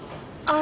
あ！